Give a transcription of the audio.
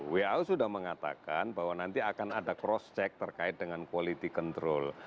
who sudah mengatakan bahwa nanti akan ada cross check terkait dengan quality control